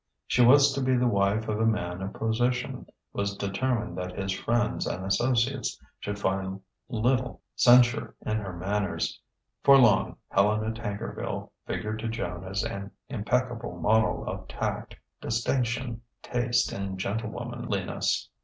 She who was to be the wife of a man of position, was determined that his friends and associates should find little to censure in her manners. For long Helena Tankerville figured to Joan as an impeccable model of tact, distinction, taste, and gentlewomanliness.